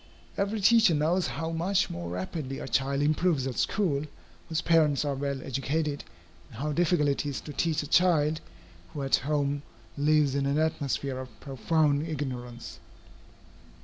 Every teacher knows how much more rapidly a child improves at school, whose parents are well educated, and how difficult it is to teach a child who at home lives in an atmosphere of profound ignorance.